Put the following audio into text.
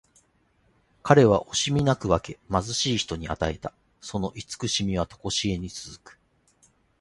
彼は惜しみなく分け、貧しい人に与えた。その慈しみはとこしえに続く。